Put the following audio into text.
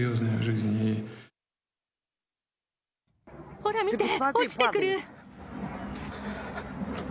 ほら、見て、落ちてくる。